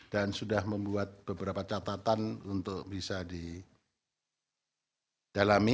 dan sudah membuat beberapa catatan untuk bisa didalami